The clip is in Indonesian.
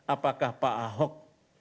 apakah pak ahok